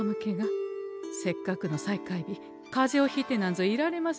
せっかくの再開日かぜをひいてなんぞいられはっ